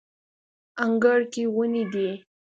انګړ کې ونې دي